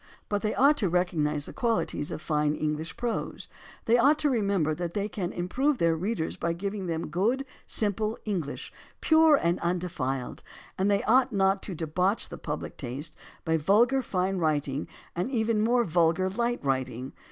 But they ought to recognize the qualities of fine English prose; they ought to re member that they can improve their readers by giving them good; simple English; pure and undefiled; and they ought not to debauch the public taste by vulgar fine writing and even more vulgar light writing.